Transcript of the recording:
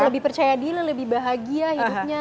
lebih percaya diri lebih bahagia hidupnya